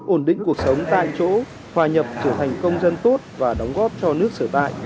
ổn định cuộc sống tại chỗ hòa nhập trở thành công dân tốt và đóng góp cho nước sở tại